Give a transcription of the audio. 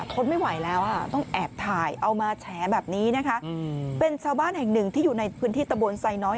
ทนไม่ไหวแล้วอ่ะต้องแอบถ่ายเอามาแฉแบบนี้นะคะเป็นชาวบ้านแห่งหนึ่งที่อยู่ในพื้นที่ตะบนไซน้อย